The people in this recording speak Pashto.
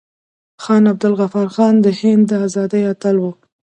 خان عبدالغفار خان د هند د ازادۍ اتل و.